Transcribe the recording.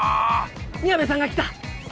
宮部さんが来た！